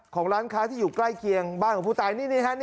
ของร้านค้าที่อยู่ใกล้เคียงบ้านของผู้ตายนี่ฮะ